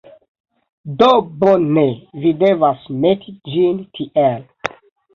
Do, bone, vi devas meti ĝin tiel.